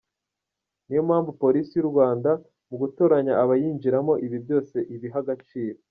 Niyo mpamvu Polisi y’u Rwanda mu gutoranya abayinjiramo ibi byose ibiha agaciro.